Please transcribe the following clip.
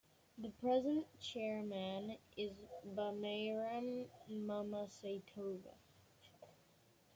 The present chairman is Bumairam Mamaseitova.